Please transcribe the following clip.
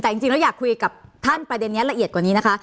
แต่จริงแล้วอยากคุยกับท่านประเด็นนี้ละเอียดกว่านี้นะคะ